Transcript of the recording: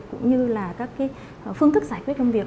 cũng như là các phương thức giải quyết công việc